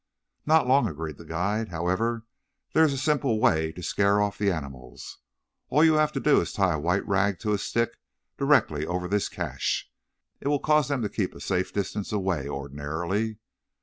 "Not long," agreed the guide. "However, there is a simple way to scare off the animals. All you have to do is to tie a white rag to a stick directly over this cache. It will cause them to keep a safe distance away ordinarily.